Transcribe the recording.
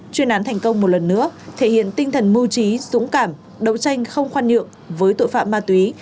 chuyên án thành công một lần nữa thể hiện tinh thần mưu trí dũng cảm đấu tranh không khoan nhượng với tội phạm ma túy